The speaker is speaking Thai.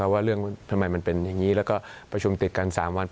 ว่าเรื่องทำไมมันเป็นอย่างนี้แล้วก็ประชุมติดกัน๓วัน